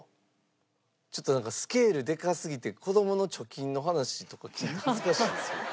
ちょっとなんかスケールでかすぎて子どもの貯金の話とか聞いて恥ずかしいですよ。